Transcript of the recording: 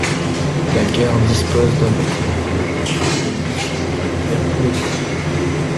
La gare dispose d'un bâtiment voyageurs, avec guichet, ouvert tous les jours.